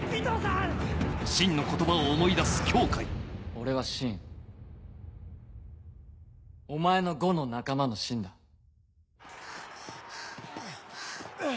俺は信お前の伍の仲間の信だハァハァハァ。